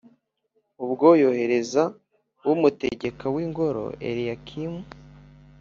Ubwo yohereza umutegeka w’ingoro Eliyakimu,